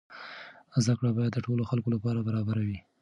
زده کړه باید د ټولو خلکو لپاره برابره وي.